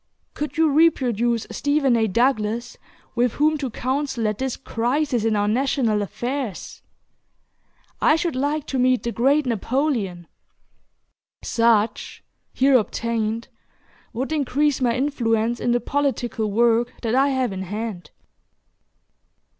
Could you reproduce Stephen A. Douglas, with whom to counsel at this crisis in our national affairs! I should like to meet the great Napoleon. Such, here obtained, would increase my influence in the political work that I have in hand."